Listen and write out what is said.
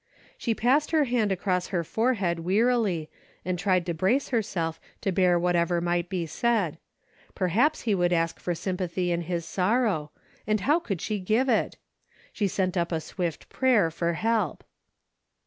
She passed her hand across her forehead wearily, and tried to brace herself to bear whatever might be said. Per 328 A DAILY BATE." haps he would ask for sympathy in his sorrow, and how could she give it? She sent up a swift prayer for help.